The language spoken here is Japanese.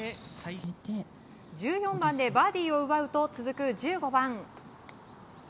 １４番でバーディーを奪うと続く１５番。